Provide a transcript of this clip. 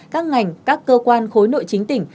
các ngành các cơ quan khối nội chính tỉnh